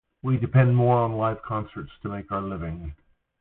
We depend more on live concerts to make our living.